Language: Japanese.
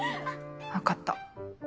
分かった。